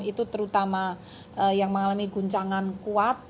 itu terutama yang mengalami guncangan kuat